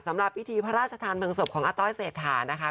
สำหรับพิธีพระราชทานเพลิงศพของอาต้อยเศรษฐานะคะ